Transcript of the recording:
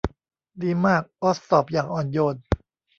ดีมากออซตอบอย่างอ่อนโยน